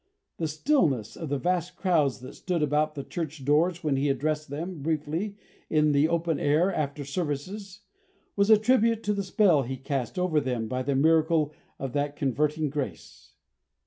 The stillness of the vast crowds that stood about the church doors when he addressed them briefly in the open air after services was a tribute to the spell he cast over them by the miracle of that converting grace.